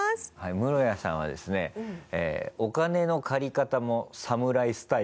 ムロヤさんはですねお金の借り方もサムライスタイル。